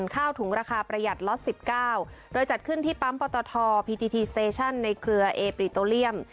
ข้าวถุงราคาประหยัดล็อต๑๙โดยจัดขึ้นที่ปั๊มปตทพีทีทีสเตชั่นในเครือเอปริโตเลียม